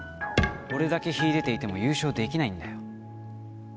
俺だけ秀でていても優勝できないんだよ。